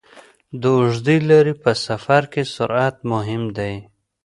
د اوږدې لارې په سفر کې سرعت مهم دی.